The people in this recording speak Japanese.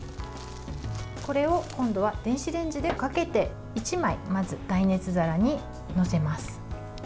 これを今度は電子レンジでかけて１枚、まず耐熱皿に載せます。